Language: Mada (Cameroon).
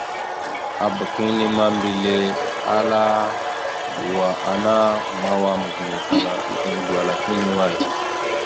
Abak inne ma, mbile ala ya: "Wa ana mawa mazǝmawkala iɗel gwala hine away?".